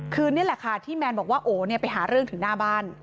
คือนี่แหละค่ะที่แมนบอกว่าโอเนี่ยไปหาเรื่องถึงหน้าบ้าน